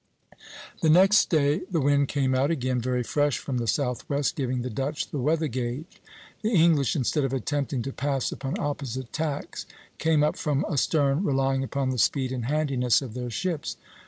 The next day the wind came out again very fresh from the southwest, giving the Dutch the weather gage. The English, instead of attempting to pass upon opposite tacks, came up from astern relying upon the speed and handiness of their ships.